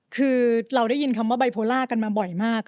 คือเราได้ยินคำว่าไบโพล่ากันมาบ่อยมาก